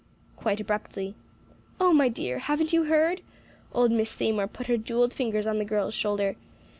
quite abruptly. "Oh, my dear! Haven't you heard?" Old Miss Seymour put her jewelled fingers on the girl's shoulder.